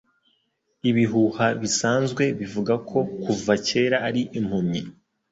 Ibihuha bisanzwe bivuga ko kuva kera ari impumyi